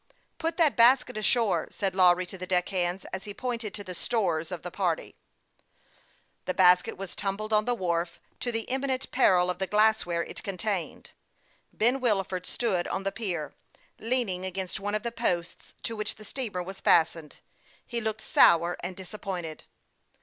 " Put that basket ashore," said Lawry to the deck hands, as he pointed to the " stores " of the party who had expected to revel that day on the decks of the Woodville. The basket was tumbled on the wharf, to the im minent peril of the glass ware it contained. Ben Wilford stood on the pier, leaning against one of the posts to which the steamer was fastened. He looked sour and disappointed.